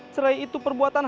serai itu perbuatannya